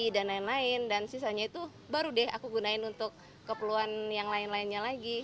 dan lain lain dan sisanya itu baru deh aku gunain untuk kepeluan yang lain lainnya lagi